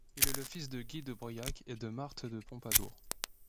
Il est le fils de Guy de Brillac et de Marthe de Pompadour.